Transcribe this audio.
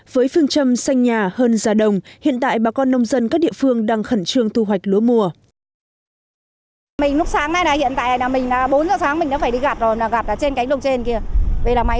với phương châm xanh nhà hơn già đồng hiện tại bà con nông dân các địa phương đang khẩn trương thu hoạch lúa mùa